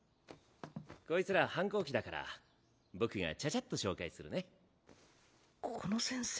こいつら反抗期だから僕がちゃちゃっと紹介するね。